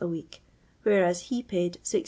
a week, whereas he paid 16s.